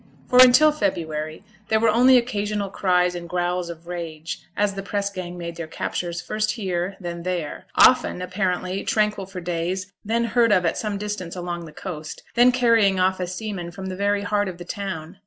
For until February there were only occasional cries and growls of rage, as the press gang made their captures first here, then there; often, apparently, tranquil for days, then heard of at some distance along the coast, then carrying off a seaman from the very heart of the town.